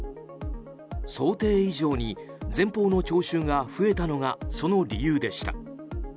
想定以上に前方の聴衆が増えたのがその理由でした。